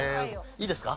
いいですか？